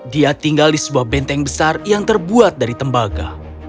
dia tinggal di sebuah benteng besar yang terbuat dari tembaga